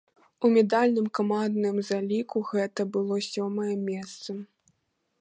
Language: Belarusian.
У медальным камандным заліку гэта было сёмае месца.